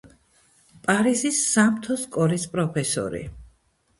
პარიზის სამთო სკოლის პროფესორი.